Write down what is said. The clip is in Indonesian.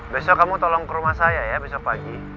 besok kamu tolong ke rumah saya ya besok pagi